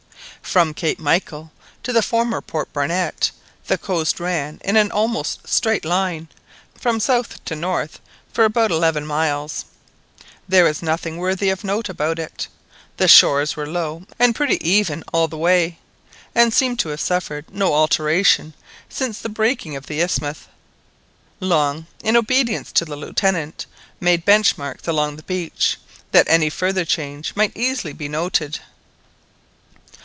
From Cape Michael to the former Port Barnett the coast ran in an almost straight line from south to north for about eleven miles. There was nothing worthy of note about it; the shores were low and pretty even all the way, and seemed to have suffered no alteration since the breaking of the isthmus. Long, in obedience to the Lieutenant, made bench marks along the beach, that any future change might be easily noted.